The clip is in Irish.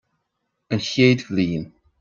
An Chéad Bhliain